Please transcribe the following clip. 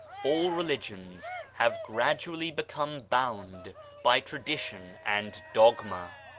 All Religions have gradually become bound by tradition and dogma.